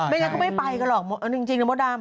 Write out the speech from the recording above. ไม่งั้นเค้าไม่ไปกันหรอกจริงเนี่ยโมดาม